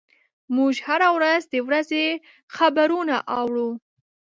موږ هره ورځ د ورځې خبرونه اورو.